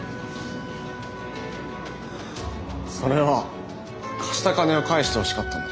それは貸した金を返してほしかったので。